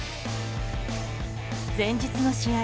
前日の試合